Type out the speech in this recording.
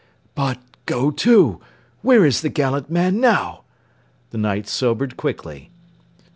"But, go to! Where is the gallant man now?" The Knight sobered quickly.